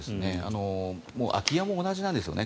空き家も同じなんですよね